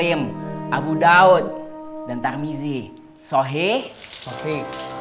ibu daud dan tarmizi sohe sofi